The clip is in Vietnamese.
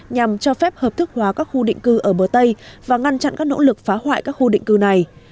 nhằm cho phép hợp thức hóa các khu định cư ở bờ tây và ngăn chặn các nỗ lực phá hoại các khu định cư này